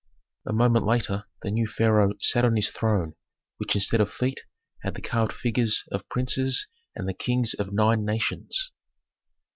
A moment later the new pharaoh sat on his throne, which instead of feet had the carved figures of princes and the kings of nine nations.